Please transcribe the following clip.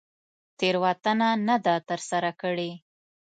تېروتنه نه ده تر سره کړې.